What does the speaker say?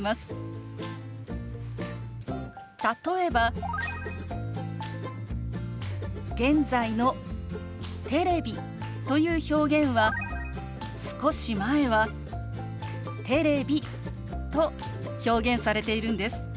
例えば現在の「テレビ」という表現は少し前は「テレビ」と表現されているんです。